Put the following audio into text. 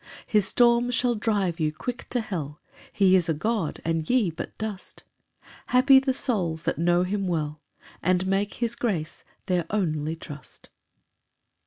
10 His storms shall drive you quick to hell: He is a God, and ye but dust: Happy the souls that know him well, And make his grace their only trust.